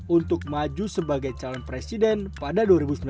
untuk maju sebagai calon presiden pada dua ribu sembilan belas